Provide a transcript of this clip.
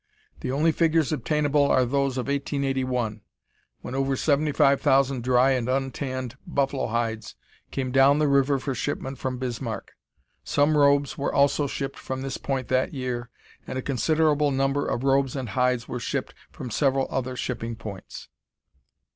The only figures obtainable are those of 1881, when over seventy five thousand dry and untanned buffalo hides came down the river for shipment from Bismarck. Some robes were also shipped from this point that year, and a considerable number of robes and hides were shipped from several other shipping points.